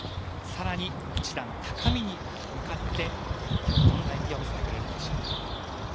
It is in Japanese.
さらに一段高みに向かって今日、どんな演技を見せてくれるでしょうか。